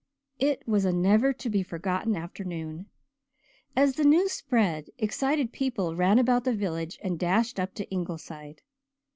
It was a never to be forgotten afternoon. As the news spread excited people ran about the village and dashed up to Ingleside.